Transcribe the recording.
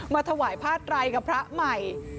มาถวายพระไตรกับพระใหม่